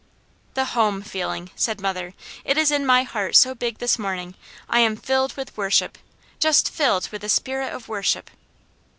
"The Home Feeling!" said mother. "It is in my heart so big this morning I am filled with worship. Just filled with the spirit of worship."